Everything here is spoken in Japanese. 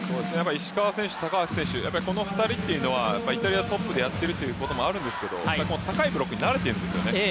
石川選手、高橋選手、この２人はイタリアトップでやってるってこともあるんですけど高いブロックに慣れてるんですよね。